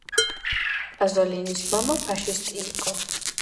პაზოლინის მამა ფაშისტი იყო.